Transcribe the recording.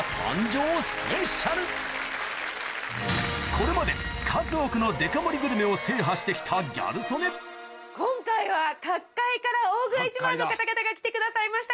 これまで数多くのデカ盛りグルメを制覇してきたギャル曽根の方々が来てくださいました